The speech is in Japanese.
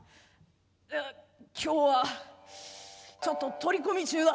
いや今日はちょっと取り込み中だ。